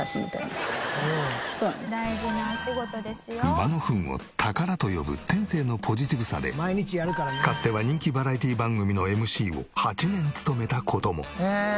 馬のフンを「宝」と呼ぶ天性のポジティブさでかつては人気バラエティ番組のＭＣを８年務めた事も。